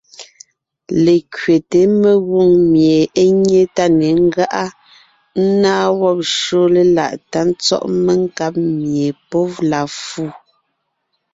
Lekẅeté (ńgÿo páʼ ) mengwòŋ mie é nyé tá ne ńgáʼa, ńnáa wɔ́b shÿó léláʼ tá tsɔ́ʼ menkáb mie pɔ́ la fu,